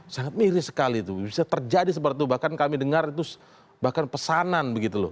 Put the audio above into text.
sangat miris sekali itu bisa terjadi seperti itu bahkan kami dengar itu bahkan pesanan begitu loh